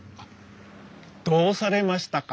どうされましたか？